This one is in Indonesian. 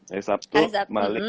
hari sabtu malik